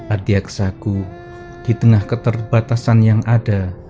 adiaksaku di tengah keterbatasan yang ada